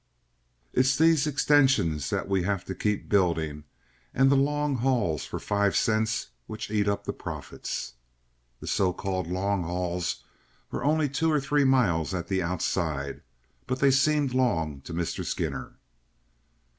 It's these extensions that we have to keep building and the long hauls for five cents which eat up the profits." The so called "long hauls" were only two or three miles at the outside, but they seemed long to Mr. Skinner.